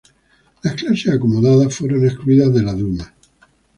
Las clases acomodadas fueron excluidas de la duma.